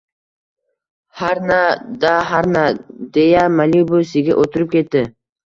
harna-da harna», deya «Malibu»siga o‘tirib ketdi...